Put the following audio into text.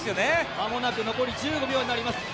間もなく残り１５秒になります。